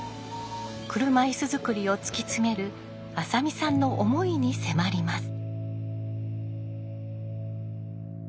車いす作りを突き詰める浅見さんの思いに迫ります。